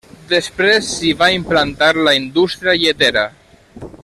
Després s'hi va implantar la indústria lletera.